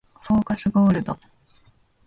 フォーカスゴールド